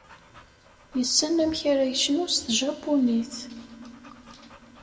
Yessen amek ara yecnu s tjapunit.